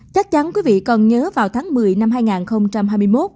chắc chắn quý vị còn nhớ vào tháng một mươi năm hai nghìn một mươi chín